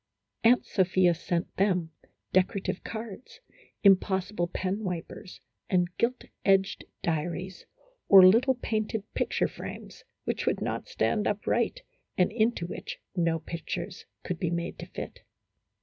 Aunt Sophia sent them decorative cards, impossible penwipers, and gilt edged diaries, or little painted picture frames, which would not stand upright, and into which no pictures could be made to fit.